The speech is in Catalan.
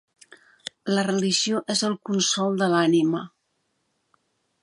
La religió és el consol de l'ànima.